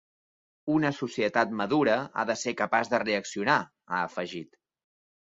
Una societat madura ha de ser capaç de reaccionar, ha afegit.